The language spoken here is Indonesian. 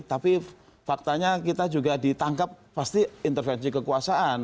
tapi faktanya kita juga ditangkap pasti intervensi kekuasaan